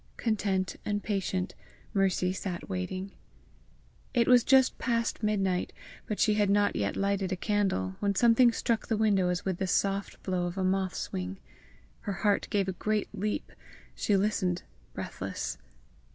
Content and patient, Mercy sat watching. It was just past midnight, but she had not yet lighted a candle, when something struck the window as with the soft blow of a moth's wing. Her heart gave a great leap. She listened breathless.